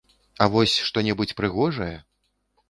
А вось што-небудзь прыгожае!